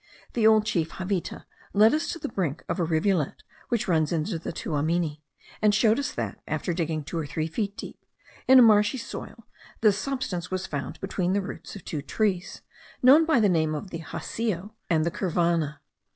The old chief Javita led us to the brink of a rivulet which runs into the Tuamini; and showed us that, after digging two or three feet deep, in a marshy soil, this substance was found between the roots of two trees known by the name of the jacio and the curvana.